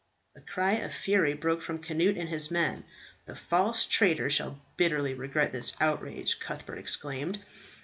A cry of fury broke from Cnut and his men. "The false traitor shall bitterly regret this outrage," Cuthbert exclaimed.